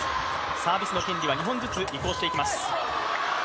サービスの権利は２本ずつ移行していきます。